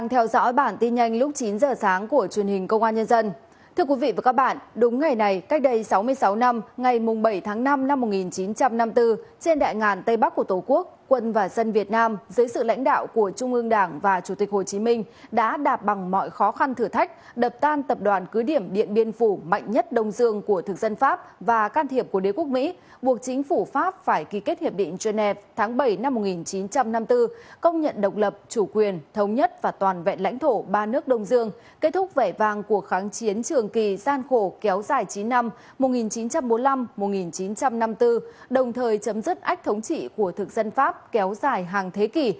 hãy đăng ký kênh để ủng hộ kênh của chúng mình nhé